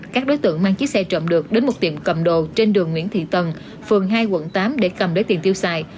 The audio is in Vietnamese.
các đối tượng mang chiếc xe trộm được đến một tiệm cầm đồ trên đường nguyễn thị tần phường hai quận tám để cầm lấy tiền tiêu xài